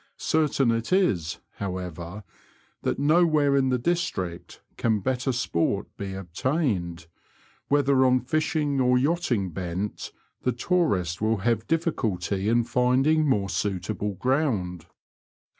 Certain it is, however, that nowhere in the district can better sport bo obtained ; whether on fishing or yachting bent, the tourist will have difficulty in finding more suitable ground.